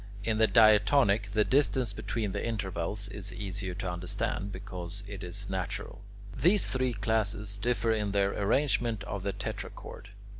In the diatonic, the distance between the intervals is easier to understand, because it is natural. These three classes differ in their arrangement of the tetrachord.